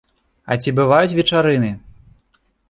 А ці бываюць вечарыны?